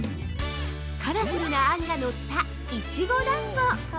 ◆カラフルなあんが乗ったいちご団子！